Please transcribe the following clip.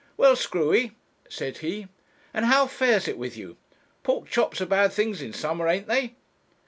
'Well, Screwy,' said he, 'and how fares it with you? Pork chops are bad things in summer, ain't they?'